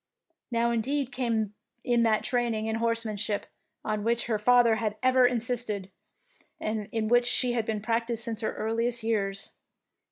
Now indeed came in that training in horsemanship on which her father had ever insisted, and in which she had been practised since her earliest years.